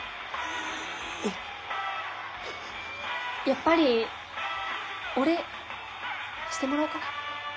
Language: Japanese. やっぱりお礼してもらおうかな。